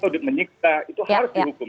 audit menyiksa itu harus dihukum